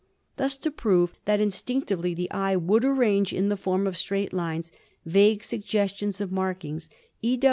Thus, to prove that instinctively the eye would arrange in the form of straight lines vague suggestions of mark ings, E.